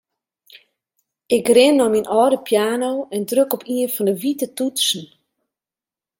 Ik rin nei myn âlde piano en druk op ien fan 'e wite toetsen.